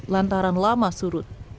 lantaran lama surut